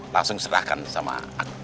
langsung serahkan sama aku